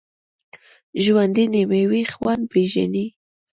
ژوندي د میوې خوند پېژني